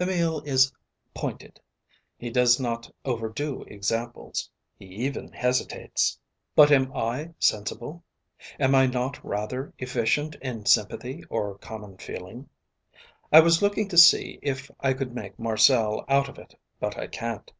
Emil is pointed. He does not overdo examples. He even hesitates. But am I sensible. Am I not rather efficient in sympathy or common feeling. I was looking to see if I could make Marcel out of it but I can't.